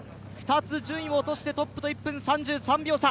２つ順位を落として、トップと１分３３秒差。